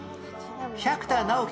百田尚樹